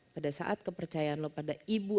pada saat kepercayaan lo pada ibu